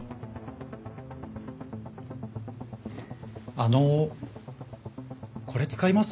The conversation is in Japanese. あのこれ使います？